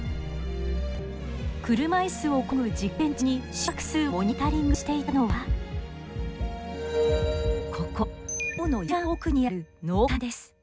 車いすをこぐ実験中に心拍数をモニタリングしていたのはここ脳の一番奥にある脳幹です。